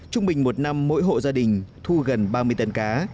trung bình một năm mỗi hộ gia đình thu gần ba mươi tấn cá